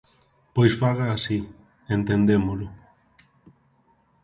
Pois faga así, entendémolo.